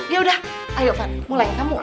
yaudah ayo fat mulai